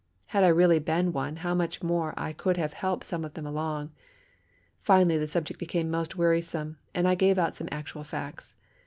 Had I really been one how much more I could have helped some of them along. Finally the subject became most wearisome, and I gave out some actual facts.